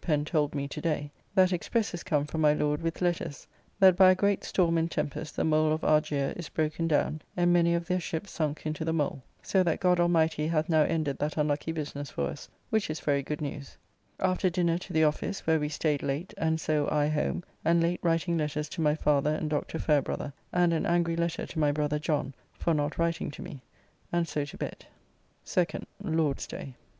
Pen told me to day) that express is come from my Lord with letters, that by a great storm and tempest the mole of Argier is broken down, and many of their ships sunk into the mole. So that God Almighty hath now ended that unlucky business for us; which is very good news. After dinner to the office, where we staid late, and so I home, and late writing letters to my father and Dr. Fairebrother, and an angry letter to my brother John for not writing to me, and so to bed. 2nd (Lord's day).